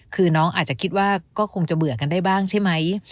คือน้องอาจจะคิดว่าก็คงจะเบื่อกันได้บ้างใช่ไหม